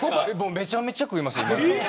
めちゃめちゃ食いますよ。